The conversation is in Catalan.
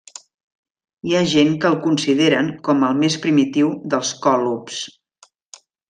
Hi ha gent que el consideren com el més primitiu dels còlobs.